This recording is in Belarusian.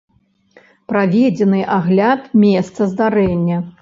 Праведзены агляд месца здарэння.